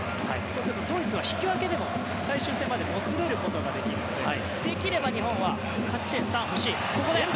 そうするとドイツは引き分けでも最終戦までもつれることができるのでできれば日本は勝ち点３欲しい。